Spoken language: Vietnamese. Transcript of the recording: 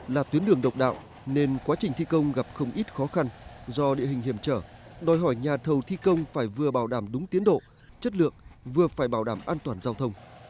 là tuyến đường độc đạo nên quá trình thi công gặp không ít khó khăn do địa hình hiểm trở đòi hỏi nhà thầu thi công phải vừa bảo đảm đúng tiến độ chất lượng vừa phải bảo đảm an toàn giao thông